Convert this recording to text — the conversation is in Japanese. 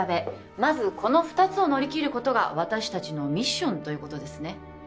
まずこの２つを乗り切ることが私達のミッションということですね